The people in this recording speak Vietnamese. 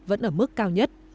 vẫn ở mức cao nhất